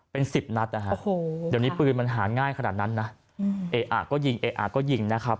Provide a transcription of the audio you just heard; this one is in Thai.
เป็นสิบนัดโอ้โหเดี๋ยวนี้ปืนมันหาง่ายขนาดนั้นเออก็ยิงเออก็ยิง